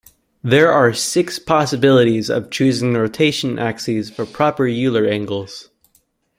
There are six possibilities of choosing the rotation axes for proper Euler angles.